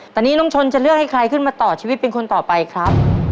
ตอนนี้น้องชนจะเลือกให้ใครขึ้นมาต่อชีวิตเป็นคนต่อไปครับ